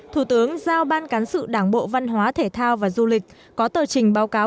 thủ tướng giao ban cán sự đảng bộ văn hóa thể thao và du lịch có tờ trình báo cáo